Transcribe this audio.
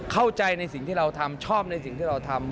เข้าใจในสิ่งที่เราทำชอบในสิ่งที่เราทำ